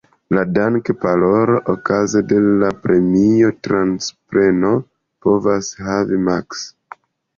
La dank-"parolo" okaze de la premio-transpreno povas havi maks.